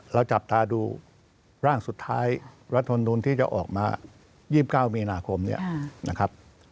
จับตาดูร่างสุดท้ายรัฐมนุนที่จะออกมา๒๙มีนาคมเนี่ยนะครับ